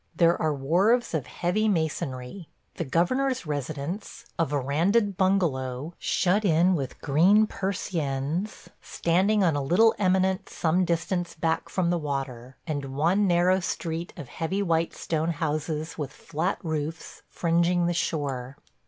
There are wharves of heavy masonry; the governor's residence, a verandaed bungalow shut in with green persiennes, standing on a little eminence some distance back from the water; and one narrow street of heavy white stone houses with flat roofs, fringing the shore.